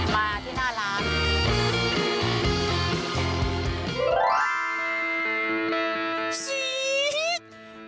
มาที่หน้าร้าน